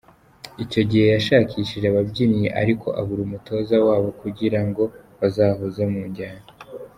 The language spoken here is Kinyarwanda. Icyo gihe yashakishije ababyinnyi ariko abura umutoza wabo kugirango bazahuze mu jyana.